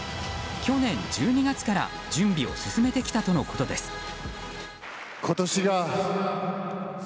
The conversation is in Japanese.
去年１２月から準備を進めてきたとのことです。